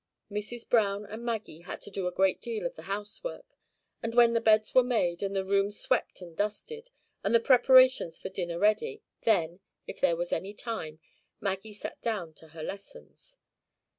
Mrs. Browne and Maggie had to do a great deal of the house work; and when the beds were made, and the rooms swept and dusted, and the preparations for dinner ready, then, if there was any time, Maggie sat down to her lessons.